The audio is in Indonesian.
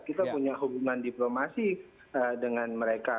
kita punya hubungan diplomasi dengan mereka